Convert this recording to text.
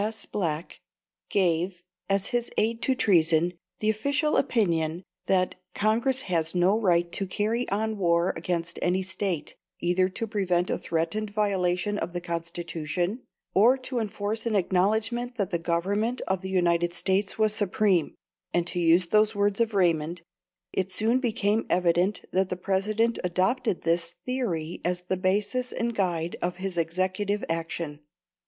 S. Black, gave, as his aid to treason, the official opinion that "Congress had no right to carry on war against any State, either to prevent a threatened violation of the Constitution, or to enforce an acknowledgment that the Government of the United States was supreme;" and to use the words of Raymond, "it soon became evident that the President adopted this theory as the basis and guide of his executive action."